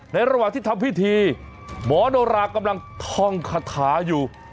ระหว่างที่ทำพิธีหมอโนรากำลังท่องคาถาอยู่